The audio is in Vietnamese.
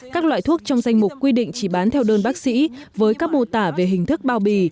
các loại thuốc trong danh mục quy định chỉ bán theo đơn bác sĩ với các mô tả về hình thức bao bì